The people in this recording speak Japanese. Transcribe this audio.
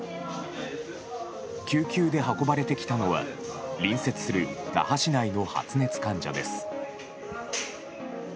救急で運ばれてきたのは隣接する那覇市内の発熱患者です。